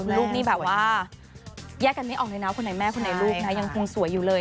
เวลาในช่วงของการแถลงข่าวเนี่ย